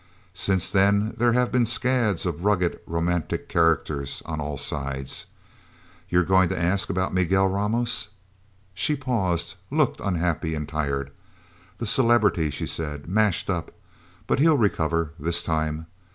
Since then, there have been scads of rugged, romantic characters on all sides... You're going to ask about Miguel Ramos." She paused, looked unhappy and tired. "The celebrity," she said. "Mashed up. But he'll recover this time.